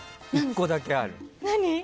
１個だけある。